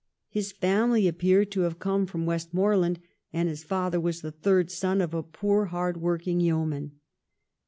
His family appear to have come from Westmoreland and his father was the third son of a poor hard working yeoman.